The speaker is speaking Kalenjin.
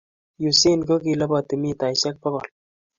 Usain ko kilabati mitaishe bakol